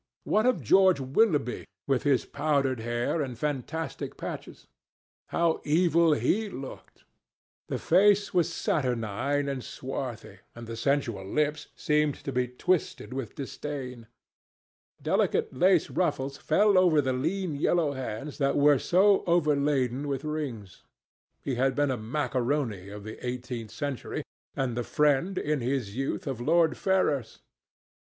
What of George Willoughby, with his powdered hair and fantastic patches? How evil he looked! The face was saturnine and swarthy, and the sensual lips seemed to be twisted with disdain. Delicate lace ruffles fell over the lean yellow hands that were so overladen with rings. He had been a macaroni of the eighteenth century, and the friend, in his youth, of Lord Ferrars.